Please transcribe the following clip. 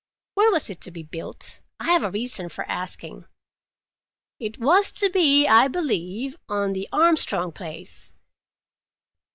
"Where was it to be built? I have a reason for asking." "It was to be, I believe, on the Armstrong place.